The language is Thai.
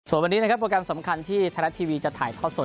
ส่วนวันนี้นะครับโปรแกรมสำคัญที่ไทยรัฐทีวีจะถ่ายทอดสด